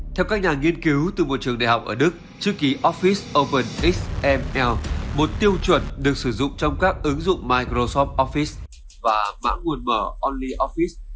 theo các nhà nghiên cứu từ một trường đại học ở đức chữ ký office open xml một tiêu chuẩn được sử dụng trong các ứng dụng microsoft office và mã nguồn mở only office